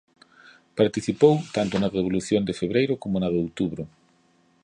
Participou tanto na Revolución de Febreiro coma na de outubro.